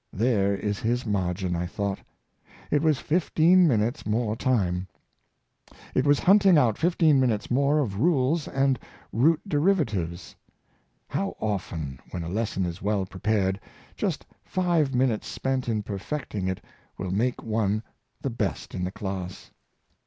" There is his margin," I thought. It was fifteen minutes more time. It was hunting out fifteen minutes more of rules and root derivatives. How often, when a lesson is well prepared, just five minutes spent in perfecting it will make one the best in the class.